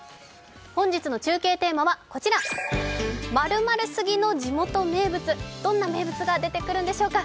本日の中継テーマはこちら、どんな名物が出てくるのでしょうか。